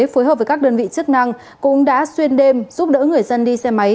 phối hợp với các đơn vị chức năng cũng đã xuyên đêm giúp đỡ người dân đi xe máy